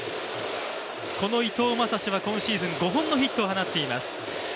この伊藤将司は今シーズン５本のヒットを放っています。